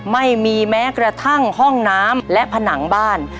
ไม่มีแม้กระทั่งห้องน้ำและผนังบ้าน